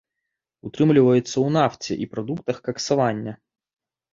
Утрымліваецца ў нафце і прадуктах каксавання.